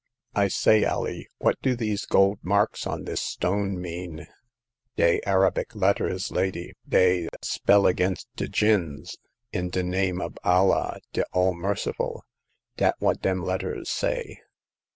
" I say, Alee, what do these gold marks on this stone mean ?"Dey Arabic letters, lady. Dey a spell against de Jinns. * In de name ob Allah de All Merci ful.' Dat what dem letters say."